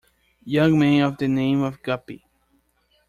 Young man of the name of Guppy!